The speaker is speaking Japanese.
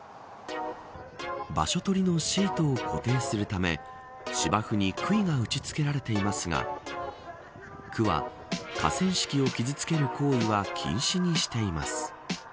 場所取りのシートを固定するため芝生にくいが打ち付けられていますが区は、河川敷を傷付ける行為は禁止にしています。